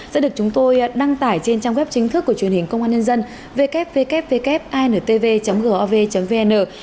sẽ được chúng tôi đăng tải trên trang web chính thức của truyền hình công an nhân dân ww intv gov vn